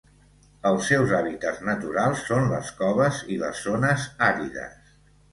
Els seus hàbitats naturals són les coves i les zones àrides.